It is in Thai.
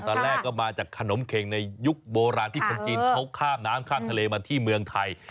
ตอนแรกก็มาจากขนมเข็งในยุคโบราณที่คนจีนเขาข้ามน้ำข้ามทะเลมาที่เมืองไทย